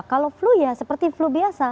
kalau flu ya seperti flu biasa